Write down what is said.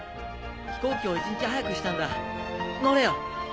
飛行機を一日早くしたんだ乗れよ。